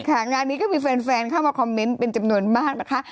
งานนี้ก็มีแฟนเข้ามาคอมเมนต์เป็นจำนวนมากนะคะ